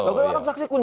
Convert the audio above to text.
mereka orang saksi kunci